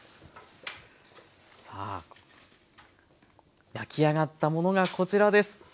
さあ焼き上がったものがこちらです。